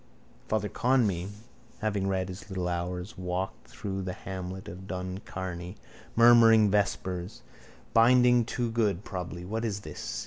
_ Father Conmee, having read his little hours, walked through the hamlet of Donnycarney, murmuring vespers. Binding too good probably. What is this?